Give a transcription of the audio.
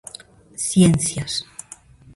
Ciencias.